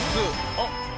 あっ！